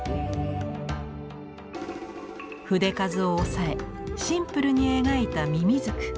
筆数を抑えシンプルに描いたミミズク。